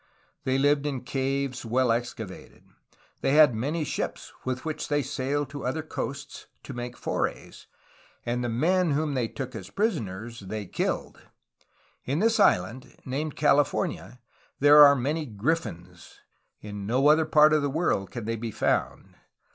They lived in caves well excavated. They had many ships with which they sailed to other coasts to make forays, and the men whom they took as pris oners they killed ... In this island, named California, there are many griffins ... In no other part of the world can they be found.